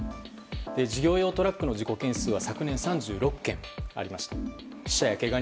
事業用トラックの事故件数は昨年３６件ありました。